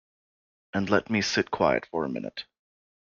And let me sit quiet for a minute.